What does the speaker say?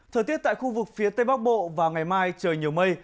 thời tiết tại khu vực phía tây bắc bộ vào ngày mai trời nhiều mây